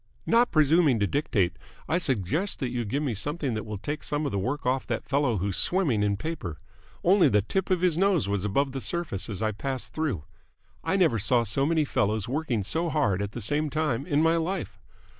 "Not presuming to dictate, I suggest that you give me something that will take some of the work off that fellow who's swimming in paper. Only the tip of his nose was above the surface as I passed through. I never saw so many fellows working so hard at the same time in my life.